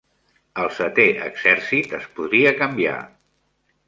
El Setè Exèrcit es podria canviar.